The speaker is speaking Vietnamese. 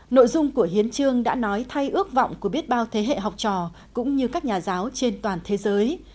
nội dung của hiến trương đã nói thay ước vọng của biết bao thế hệ học trò cũng như các nhà giáo trên toàn thế giới